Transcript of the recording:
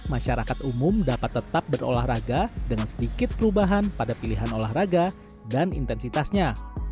masyarakat umum dapat tetap berolahraga dengan sedikit perubahan pada pilihan olahraga dan intensitasnya